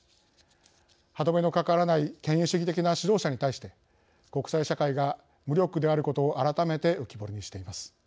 歯止めのかからない権威主義的な指導者に対して国際社会が無力であることを改めて浮き彫りにしています。